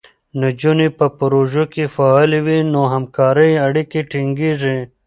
نجونې په پروژو کې فعالې وي، نو همکارۍ اړیکې ټینګېږي.